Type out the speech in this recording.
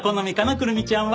くるみちゃんは。